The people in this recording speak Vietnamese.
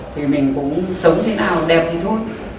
thì mình cũng sống thế nào đẹp thì thôi